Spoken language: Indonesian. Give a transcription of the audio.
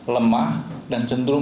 lemah dan cenderung